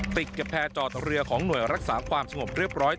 ติดกับแพร่จอดเรือของหน่วยรักษาความสงบเรียบร้อย